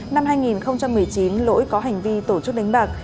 năm hai nghìn một mươi chín lỗi có hành vi tổ chức đánh bạc